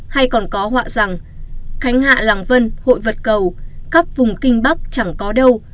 hay còn có họa rằng khánh hạ làng vân hội vật cầu khắp vùng kinh bắc chẳng có đâu